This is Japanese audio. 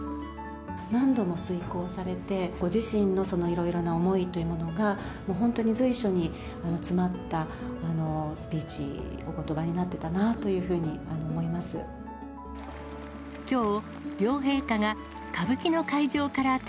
何度も推こうされて、ご自身のいろいろな思いというものが、本当に随所に詰まったスピーチ、おことばになってたなというふうこの時間は午後６時１５分まで字幕放送をお送りします。